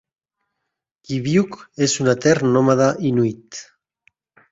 Kiviuq és un etern nòmada inuit.